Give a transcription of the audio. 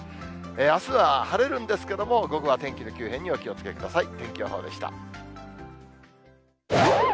あすは晴れるんですけども、午後は天気の急変にお気をつけください。